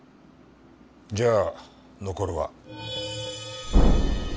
じゃあ残るは。